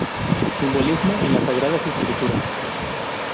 Simbolismo en las Sagradas Escrituras.